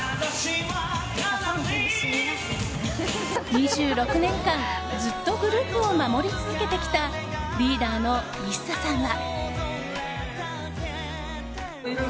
２６年間ずっとグループを守り続けてきたリーダーのＩＳＳＡさんは。